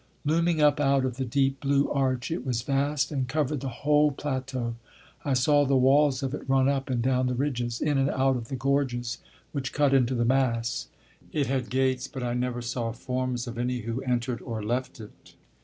Looming up out of the deep blue arch, it was vast and covered the whole plateau: I saw the walls of it run up and down the ridges, in and out of the gorges which cut into the mass. It had gates, but I never saw forms of any who entered or left it.